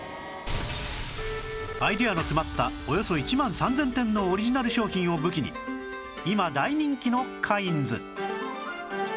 アイデアの詰まったおよそ１万３０００点のオリジナル商品を武器に今大人気のカインズ